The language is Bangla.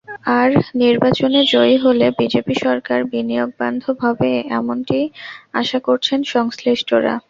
আর নির্বাচনে জয়ী হলে বিজেপি সরকার বিনিয়োগবান্ধব হবে এমনটিই আশা করছেন সংশ্লিষ্টরা।